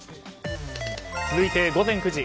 続いて午前９時。